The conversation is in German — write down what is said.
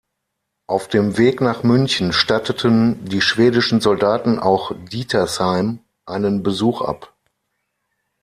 Auf dem Weg nach München statteten die schwedischen Soldaten auch Dietersheim einen Besuch ab.